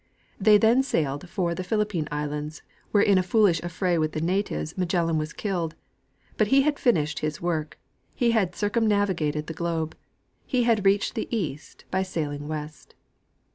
They then sailed for the Philip pine islands, where in a foolish affra}^ with the natives Magellan was killed ; but he had finished his work — he had circumnavi gated the globe ; he had reached the east by sailing west.